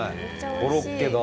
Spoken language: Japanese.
コロッケだ。